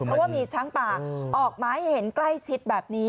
เพราะว่ามีช้างป่าออกมาให้เห็นใกล้ชิดแบบนี้